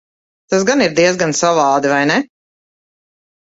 Tas gan ir diezgan savādi, vai ne?